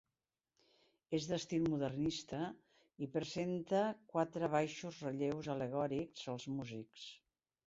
És d'estil modernista i presenta quatre baixos relleus al·legòrics als músics.